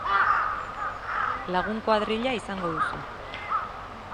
Lagun kuadrilla izango duzu.